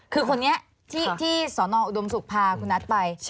คือคนนี้ที่สอนออุดมศุกร์พาคุณนัทไป